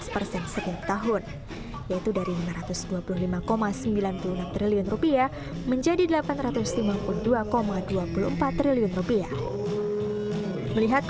lima belas persen setiap tahun yaitu dari lima ratus dua puluh lima sembilan puluh enam triliun rupiah menjadi delapan ratus lima puluh dua dua puluh empat triliun rupiah melihat